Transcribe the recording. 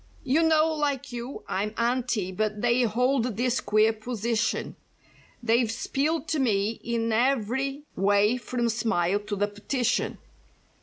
"You know, like you, I'm anti, but they hold this queer position: "They've spieled to me in every way from smile to the petition.